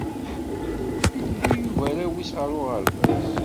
Yewwi Yuba arraw-is ɣer uɣerbaz.